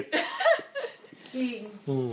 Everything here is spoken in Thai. จริง